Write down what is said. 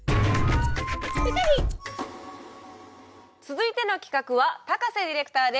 続いての企画は高瀬ディレクターです。